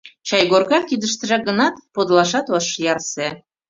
Чайгорка кидыштыжак гынат, подылашат ыш ярсе.